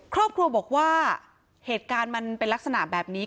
ครอบครัวบอกว่าเหตุการณ์มันเป็นลักษณะแบบนี้